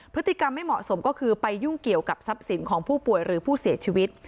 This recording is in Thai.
พฤติกรรมไม่เหมาะสมก็คือไปยุ่งเกี่ยวกับทรัพย์สินของผู้ป่วยหรือผู้เสียชีวิต